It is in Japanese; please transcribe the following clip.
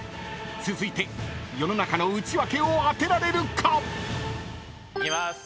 ［続いて世の中のウチワケを当てられるか⁉］いきます。